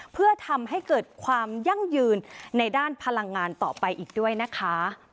เพื่อทำให้เกิดความยั่งยืนในด้านพลังงานต่อไปอีกด้วยนะคะ